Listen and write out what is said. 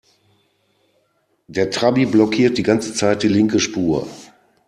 Der Trabi blockiert die ganze Zeit die linke Spur.